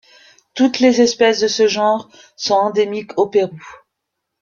Toutes les espèces de ce genre sont endémiques au Pérou.